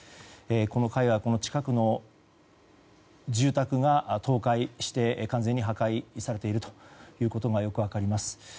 この界隈、近くの住宅が倒壊して完全に破壊されているということがよく分かります。